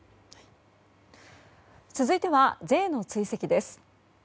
続いてはＪの追跡です。